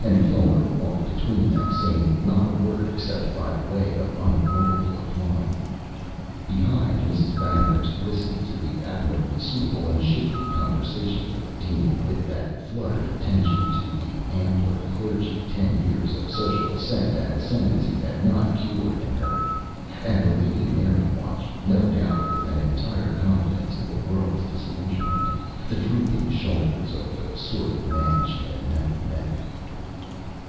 And Filmer walked between them saying not a word except by way of unavoidable reply. Behind, Mrs. Banghurst listened to the admirably suitable and shapely conversation of the Dean with that fluttered attention to the ampler clergy ten years of social ascent and ascendency had not cured in her; and the Lady Mary watched, no doubt with an entire confidence in the world's disillusionment, the drooping shoulders of the sort of man she had never met before.